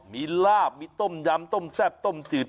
มีลาบมีต้มยำต้มแซ่บต้มจืด